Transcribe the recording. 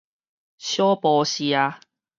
小埔社